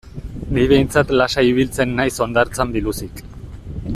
Ni behintzat lasai ibiltzen naiz hondartzan biluzik.